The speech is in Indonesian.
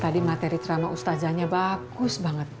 tadi materi trama ustazahnya bagus banget